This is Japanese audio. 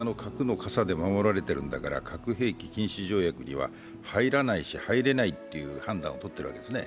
日本はアメリカの核の傘で守られているんだから、核兵器禁止条約には入らないし入れないという判断をとっているわけですね。